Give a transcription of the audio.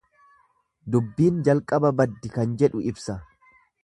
Dubbin jalqaba baddi kan jedhu ibsa.